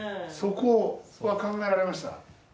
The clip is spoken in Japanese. そこは考えられました？